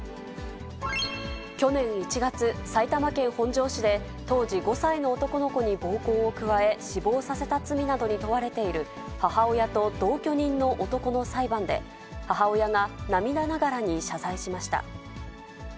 去年１月、埼玉県本庄市で当時５歳の男の子に暴行を加え、死亡させた罪などに問われている母親と同居人の男の裁判で、母親が涙ながらに謝罪しました。